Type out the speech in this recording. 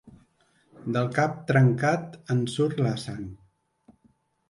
Del cap trencat en surt la sang.